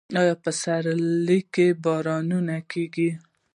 په پسرلي کې بارانونه کیږي